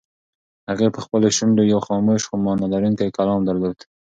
هغې په خپلو شونډو یو خاموش خو مانا لرونکی کلام درلود.